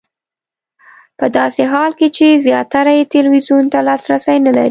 په داسې حال کې چې زیاتره یې ټلویزیون ته لاسرسی نه لري.